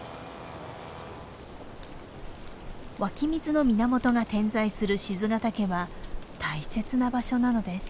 湧き水の源が点在する賤ヶ岳は大切な場所なのです。